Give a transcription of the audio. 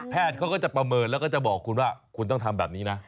เขาก็จะประเมินแล้วก็จะบอกคุณว่าคุณต้องทำแบบนี้นะ